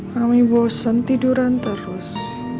mami bosen tiduran terus